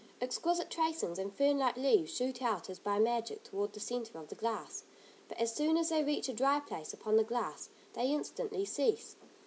Exquisite tracings, and fern like leaves shoot out as by magic toward the centre of the glass, but as soon as they reach a dry place upon the glass, they instantly cease.